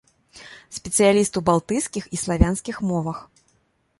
Спецыяліст у балтыйскіх і славянскіх мовах.